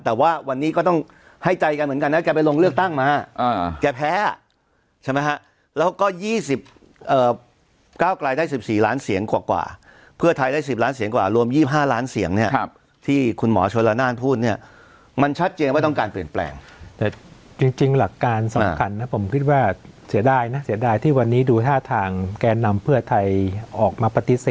แต่ว่าวันนี้ก็ต้องให้ใจกันเหมือนกันนะแกไปลงเลือกตั้งมาแกแพ้ใช่ไหมฮะแล้วก็๒๐ก้าวกลายได้๑๔ล้านเสียงกว่าเพื่อไทยได้๑๐ล้านเสียงกว่ารวม๒๕ล้านเสียงเนี่ยที่คุณหมอชนละนานพูดเนี่ยมันชัดเจนว่าต้องการเปลี่ยนแปลงแต่จริงหลักการสำคัญนะผมคิดว่าเสียดายนะเสียดายที่วันนี้ดูท่าทางแกนนำเพื่อไทยออกมาปฏิเส